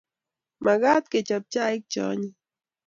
Makat kechop chaik che anyiny